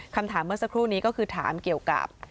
คำถามเมื่อสักครู่นี้ก็คือถามเกี่ยวกับ